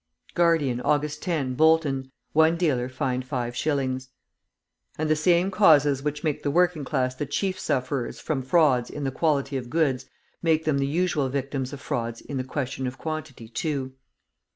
Guardian, August 10, Bolton. One dealer fined five shillings. And the same causes which make the working class the chief sufferers from frauds in the quality of goods make them the usual victims of frauds in the question of quantity too.